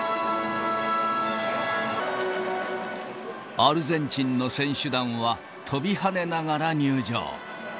アルゼンチンの選手団は、跳びはねながら入場。